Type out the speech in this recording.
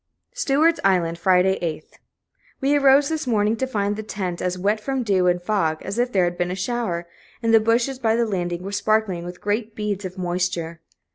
Stewart's Island, Friday, 8th. We arose this morning to find the tent as wet from dew and fog as if there had been a shower, and the bushes by the landing were sparkling with great beads of moisture.